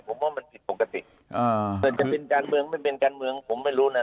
ผิดปกติจะเป็นการเมืองไม่เป็นการเมืองผมไม่รู้นะ